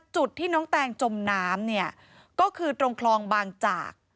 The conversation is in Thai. จุดที่น้องแตงจมน้ำเนี่ยก็คือตรงคลองบางจาก